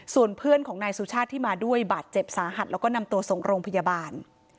ส่วนเพื่อนของนายสุชาติที่มาด้วยบาดเจ็บสาหัสแล้วก็นำตัวส่งโรงพยาบาล